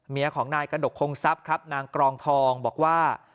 เมียของนายกระดกคงทรัพย์ครับนางกรองทองบอกว่า